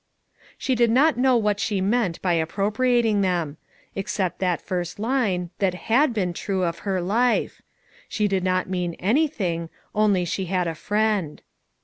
She did not know what she meant by ap propriating them; except that first line, that FOUR MOTHERS AT GHAUT AUQUA 183 had been true of her life; she did not mean anything, only she had a friend.